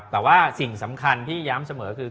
แต่ว่าสิ่งสำคัญที่ย้ำเสมอคือ